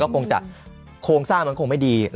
เกราะสถานไม่ได้